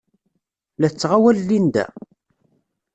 La tettɣawal Linda?